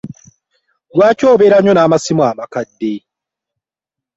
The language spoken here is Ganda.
Lwaki obeera nnyo n'amassimu amakadde?